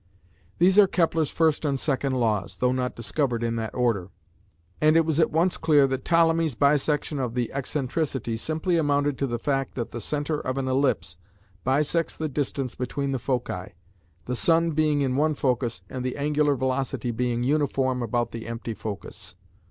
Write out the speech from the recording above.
These are Kepler's first and second Laws though not discovered in that order, and it was at once clear that Ptolemy's "bisection of the excentricity" simply amounted to the fact that the centre of an ellipse bisects the distance between the foci, the sun being in one focus and the angular velocity being uniform about the empty focus.